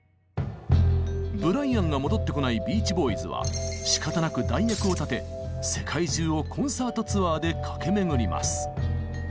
ブライアンが戻ってこないビーチ・ボーイズはしかたなく代役を立て世界中をコンサート・ツアーで駆け巡ります。